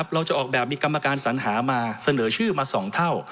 เราจะออกแบบมีกรรมการสัญหามาเสนอชื่อมา๒เท่า